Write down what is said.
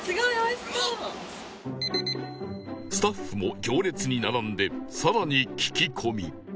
スタッフも行列に並んで更に聞き込み